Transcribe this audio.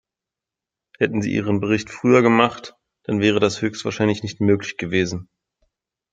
Hätten Sie Ihren Bericht früher gemacht, dann wäre das höchstwahrscheinlich nicht möglich gewesen!